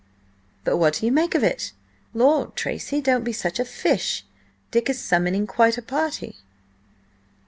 "But what do you make of it? Lord, Tracy, don't be such a fish! Dick is summoning quite a party!"